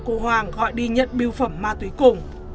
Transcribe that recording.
của hoàng gọi đi nhận biêu phẩm ma túy cùng